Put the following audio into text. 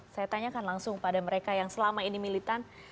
saya tanyakan langsung pada mereka yang selama ini militan